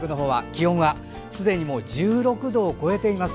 気温はすでに１６度を超えています。